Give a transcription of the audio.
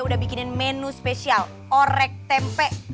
udah bikinin menu spesial orek tempe